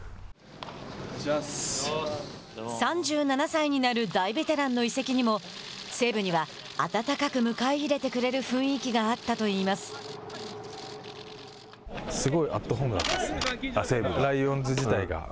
３７歳になる大ベテランの移籍にも西武には温かく迎え入れてくれる雰囲気があったといいます。